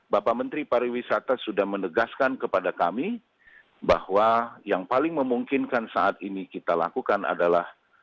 bapak menteri pariwisata sudah menegaskan kepada kami bahwa yang paling memungkinkan saat ini kita lakukan adalah